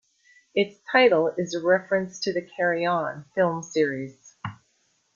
Its title is a reference to the "Carry On" film series.